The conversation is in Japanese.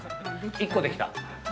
１個できた。